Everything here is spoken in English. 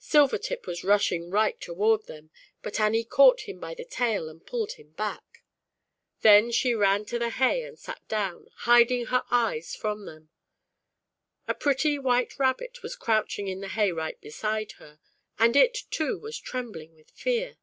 Silvertip was rushing right toward them, but Annie caught him by the tail and pulled him back. Then she ran to the r ZAUBERLINDA, THE WISE WITCH. 189 hay and sat down, hiding her eyes from them. A pretty white Rabbit was crouching in the hay right beside her, and it, too, was trembling with fear.